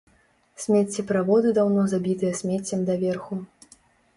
Смеццеправоды даўно забітыя смеццем даверху.